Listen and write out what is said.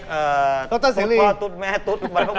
คาดภาพอะไรฮะเรียกกล้าตุ๊ดแม่ตุ๊ดแปลเนื้อ